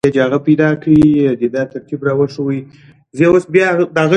دا پروژه د خلکو اړتیا پوره کوي.